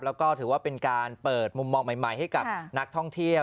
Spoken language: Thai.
แล้วก็ถือว่าเป็นการเปิดมุมมองใหม่ให้กับนักท่องเที่ยว